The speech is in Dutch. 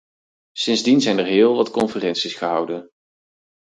Sindsdien zijn er heel wat conferenties gehouden.